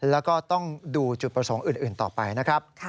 แล้วก็ต้องดูจุดประสงค์อื่นต่อไปนะครับ